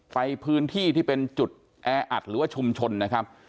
ไปพื้นที่ที่เป็นจุดแออัดหรือว่าชุมชนนะครับ